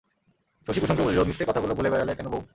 শশী কুসুমকে বলিল, মিথ্যে কথাগুলো বলে বেড়ালে কেন বৌ?